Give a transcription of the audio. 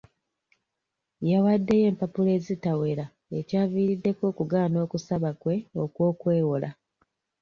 Yawaddeyo empapula ezitawera ekyaviiriddeko okugaana okusaba kwe okw'okwewola.